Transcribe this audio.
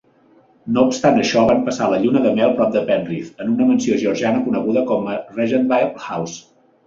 No obstant això, van passar la lluna de mel prop de Penrith, en una mansió georgiana coneguda com a Regentville House.